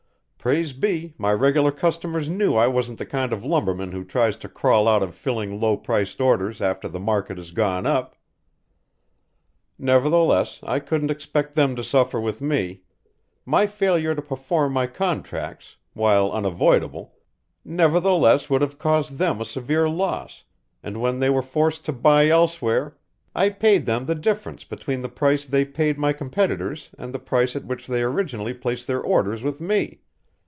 Praise be, my regular customers knew I wasn't the kind of lumberman who tries to crawl out of filling low priced orders after the market has gone up. Nevertheless I couldn't expect them to suffer with me; my failure to perform my contracts, while unavoidable, nevertheless would have caused them a severe loss, and when they were forced to buy elsewhere, I paid them the difference between the price they paid my competitors and the price at which they originally placed their orders with me.